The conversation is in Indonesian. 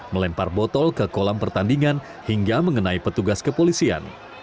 melempar botol ke kolam pertandingan hingga mengenai petugas kepolisian